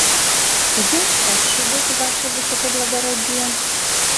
— Кузе ышташ шӱдет, ваше высокоблагородие?